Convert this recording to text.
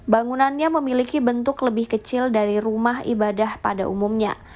bangunannya memiliki bentuk lebih kecil dari rumah ibadah pada umumnya